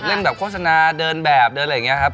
เล่นแบบโฆษณาเดินแบบเดินอะไรอย่างนี้ครับ